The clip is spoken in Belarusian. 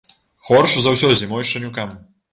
Горш за ўсё зімой шчанюкам.